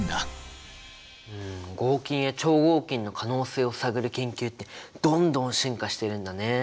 合金や超合金の可能性を探る研究ってどんどん進化してるんだね。